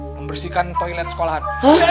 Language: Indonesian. membersihkan toilen sekolahan